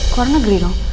kau orang negeri loh